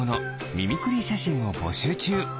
ミミクリーしゃしんをぼしゅうちゅう。